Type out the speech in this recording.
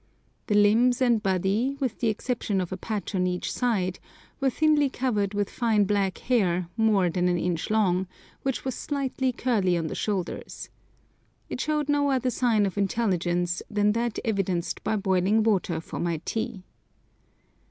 The limbs and body, with the exception of a patch on each side, were thinly covered with fine black hair, more than an inch long, which was slightly curly on the shoulders. It showed no other sign of intelligence than that evidenced by boiling water for my tea.